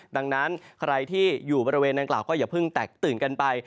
ดังนั้นใครที่อยู่บริเวณนางกล่าวก็อย่าเพิ่งแตกตื่นกันไป